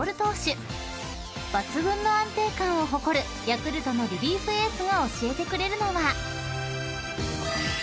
［抜群の安定感を誇るヤクルトのリリーフエースが教えてくれるのは］